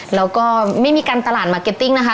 แล้วก็ไม่มีการตลาดมาร์เก็ตติ้งนะคะ